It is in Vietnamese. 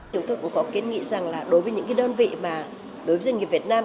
chúng tôi cũng có kiến nghị rằng là đối với những đơn vị mà đối với doanh nghiệp việt nam